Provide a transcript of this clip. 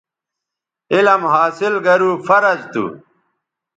علم حاصل گرو فرض تھو